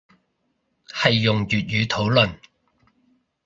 係用粵語討論